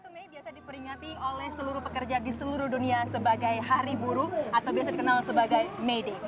satu mei biasa diperingati oleh seluruh pekerja di seluruh dunia sebagai hari buruh atau biasa dikenal sebagai may day